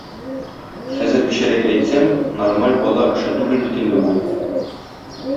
хәзергечәрәк әйтсәм, нормаль бала эше түгел бит инде бу.